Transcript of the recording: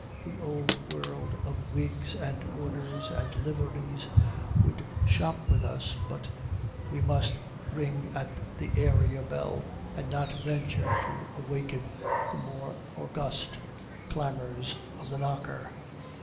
The Old World of wigs and orders and liveries would shop with us, but we must ring at the area bell, and not venture to awaken the more august clamors of the knocker.